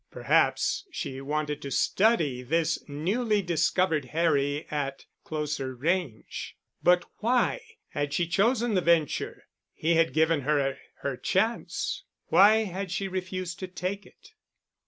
Perhaps she wanted to study this newly discovered Harry at closer range. But why had she chosen the venture? He had given her her chance. Why had she refused to take it?